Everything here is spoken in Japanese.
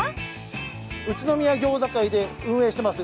宇都宮餃子会で運営してます